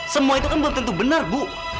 semua itu kan belum tentu benar bu